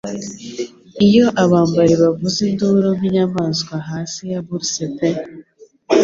Iyo abambari bavuza induru nk'inyamaswa hasi ya Bourse pe